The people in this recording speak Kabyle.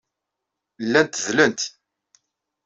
Llant dlent.